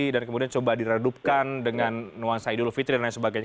dan kemudian coba diredupkan dengan nuansa idul fitri dan lain sebagainya